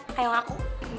kayak yang aku